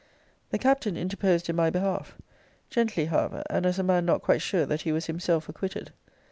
The Captain interposed in my behalf; gently, however, and as a man not quite sure that he was himself acquitted.